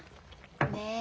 ねえ。